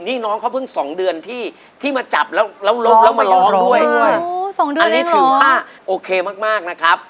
นี่น้องเขาเพิ่ง๒เดือนที่มาจับแล้วล้มแล้วมาร้องด้วยอันนี้ถือว่าโอเคมากนะครับ